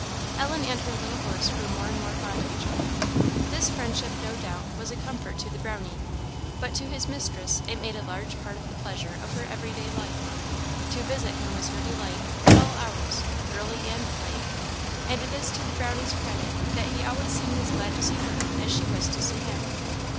Ellen and her little horse grew more and more fond of each other. This friendship, no doubt, was a comfort to the Brownie; but to his mistress it made a large part of the pleasure of her every day life. To visit him was her delight, at all hours, early and late; and it is to the Brownie's credit that he always seemed as glad to see her as she was to see him.